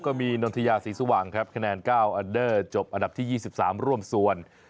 ก็มีนนทยาศรีสว่างครับคะแนน๙อันเดอร์จบอันดับที่๒๓ร่วมส่วน